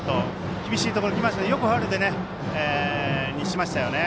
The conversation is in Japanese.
厳しいところにきましたがよくファウルにしましたよね。